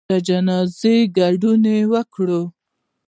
د جنازې ګډون وکړئ